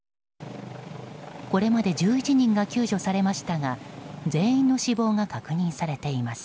これまで１１人が救助されましたが全員の死亡が確認されています。